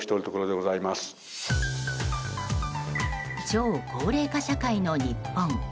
超高齢化社会の日本。